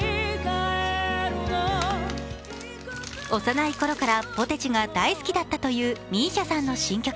幼いころからポテチが大好きだったというＭＩＳＩＡさんの新曲。